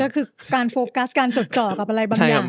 ก็คือการโฟกัสการจดจ่อกับอะไรบางอย่าง